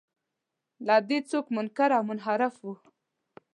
له دې څوک منکر او منحرف و.